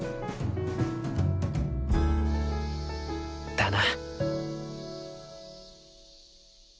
だな。